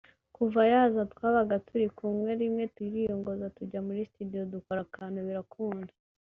kuva yaza twabaga turi kumwe rimwe turiyongoza tujya muri studio dukora akantu birakunda